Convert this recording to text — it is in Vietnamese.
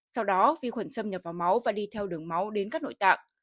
sau đó vi khuẩn xâm nhập vào máu và đi theo đường máu đến các nội tạng